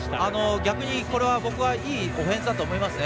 逆にこれは僕はいいオフェンスだと思いますね。